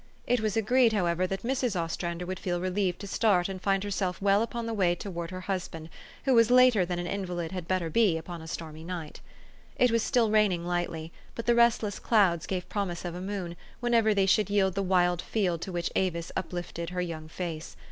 It was agreed, however, that Mrs. Ostrander would feel relieved to start and find herself well upon the way towards her husband, who was later than an invalid had better be upon a stormy night. It was still raining lightly ; but the restless clouds gave promise of a moon, whenever they should yield the wild field to which Avis uplifted her young face.